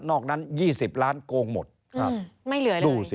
นอกนั้น๒๐ล้านโกงหมดดูสิ